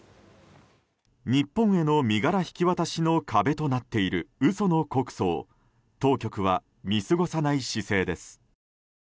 日本への身柄引き渡しの壁となっている嘘の告訴を当局は見過ごさない姿勢です。